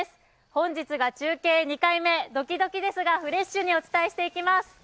本日が中継２回目、ドキドキですがフレッシュにお伝えしていきます。